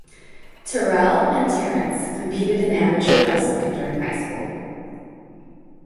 Terrell and Terrence competed in amateur wrestling during high school.